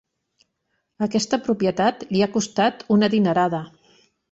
Aquesta propietat li ha costat una dinerada.